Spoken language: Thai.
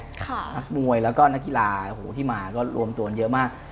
นักมวยแล้วก็นักกีฬาที่มาก็รวมตัวกันเยอะมาก